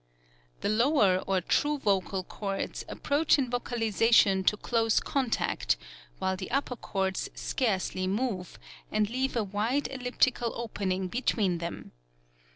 The lower or true vocal cords approach in vocalization to close contact, while the upper cords scarcely move, and leave a Wide elliptical opening between them.